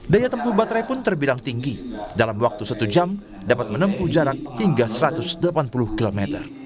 daya tempuh baterai pun terbilang tinggi dalam waktu satu jam dapat menempuh jarak hingga satu ratus delapan puluh km